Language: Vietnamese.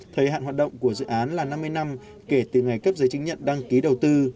thời hạn hoạt động của dự án là năm mươi năm kể từ ngày cấp giấy chứng nhận đăng ký đầu tư